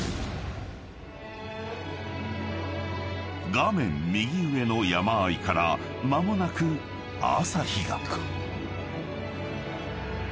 ［画面右上の山あいから間もなく朝日が］